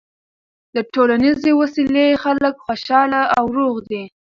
د ټولنیزې وصلۍ خلک خوشحاله او روغ دي.